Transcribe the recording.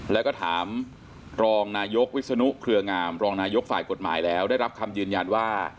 แล้วก็ถามรองนายกวิศนุเครืองามรองนายกฝ่ายกฎหมายแล้วได้รับคำยืนยันว่า